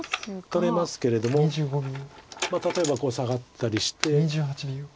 取れますけれども例えばこうサガったりして。